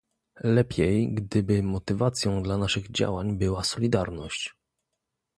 Lepiej gdyby motywacją dla naszych działań była solidarność